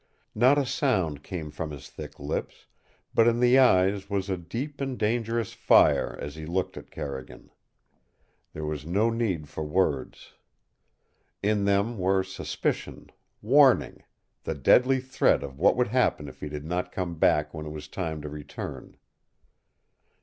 Not a sound came from his thick lips, but in his eyes was a deep and dangerous fire as he looked at Carrigan. There was no need for words. In them were suspicion, warning, the deadly threat of what would happen if he did not come back when it was time to return.